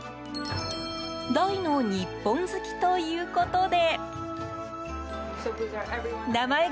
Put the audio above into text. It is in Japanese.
大の日本好きということで。